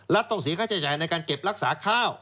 ต้องเสียค่าใช้จ่ายในการเก็บรักษาข้าว